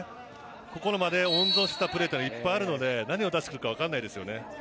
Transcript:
ここまで温存したプレーはいっぱいあるので何を出してくるか分かりませんよね。